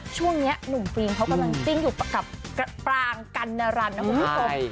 ช่วงเนี้ยหนุ่มฟิล์มเขากำลังติ้งอยู่กับกระปรางกันนรรนะครับผมใช่